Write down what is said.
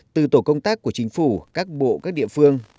từ tổ công tác của chính phủ các bộ các địa phương